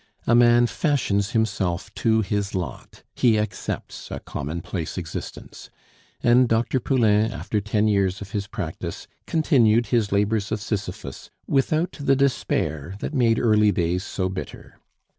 A man fashions himself to his lot, he accepts a commonplace existence; and Dr. Poulain, after ten years of his practice, continued his labors of Sisyphus without the despair that made early days so bitter.